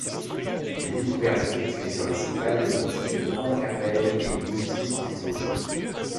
Des découvertes effectuées sur les sites paléolithiques de Combe-Capelle et du Moustier sont exposées.